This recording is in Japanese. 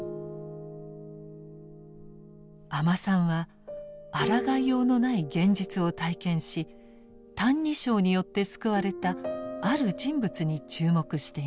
阿満さんは抗いようのない現実を体験し「歎異抄」によって救われたある人物に注目しています。